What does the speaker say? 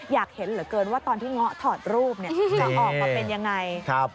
อยากเห็นเหลือเกินว่าตอนที่เงาะถอดรูปจะออกมาเป็นยังไง